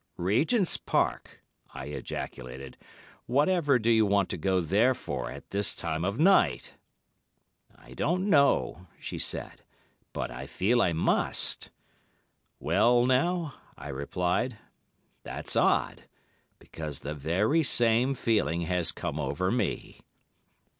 'Regent's Park,' I ejaculated; 'whatever do you want to go there for at this time of night!' 'I don't know,' she said, 'but I feel I must.' 'Well now,' I replied, 'that's odd, because the very same feeling has come over me.